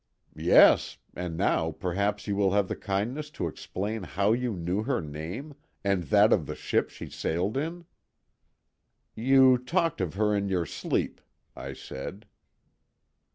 "Yes. And now perhaps you will have the kindness to explain how you knew her name and that of the ship she sailed in." "You talked of her in your sleep," I said.